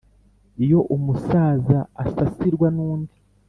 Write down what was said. Iyo umusaza asasirwa n'undi